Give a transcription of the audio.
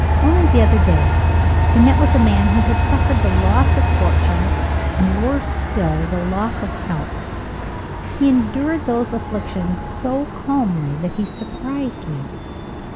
Only the other day I met with a man who had suffered the loss of fortune and, worse still, the loss of health. He endured those afflictions so calmly that he surprised me.